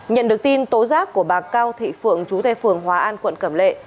nhận được tin tố giác của bà cao thị phượng chú tại phường hòa an quận cẩm lệ